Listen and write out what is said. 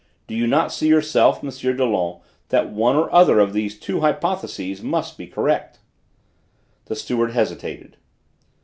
Do you not see yourself, M. Dollon, that one or other of these two hypotheses must be correct?" The steward hesitated.